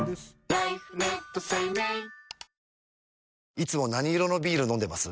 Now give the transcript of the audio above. いつも何色のビール飲んでます？